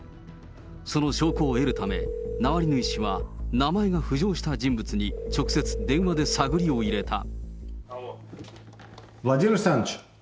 その証拠を得るため、ナワリヌイ氏は名前が浮上した人物に、直接電話で探りを入れた。